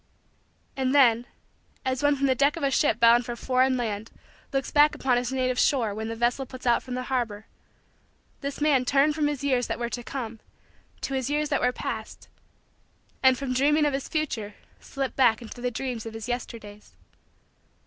And then, as one from the deck of a ship bound for a foreign land looks back upon his native shore when the vessel puts out from the harbor, this man turned from his years that were to come to his years that were past and from dreaming of his future slipped back into the dreams of his Yesterdays.